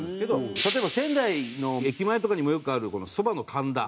例えば仙台の駅前とかにもよくあるこのそばの神田。